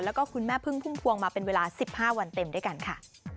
แล้วก็คุณแม่พึ่งพุ่มพวงมาเป็นเวลา๑๕วันเต็มด้วยกันค่ะ